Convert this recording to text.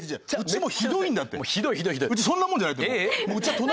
うちそんなもんじゃないと思う。